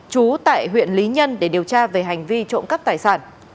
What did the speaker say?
trú tại huyện lý nhân để điều tra về hành vi trộm cắp tài sản